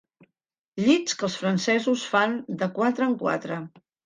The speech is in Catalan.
Llits que els francesos fan de quatre en quatre.